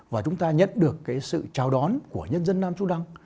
và chúng ta nhận được cái sự chào đón của nhân dân nam su đăng